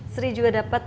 sri juga dapat